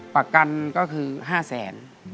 ปากกันก็คือห้าแสน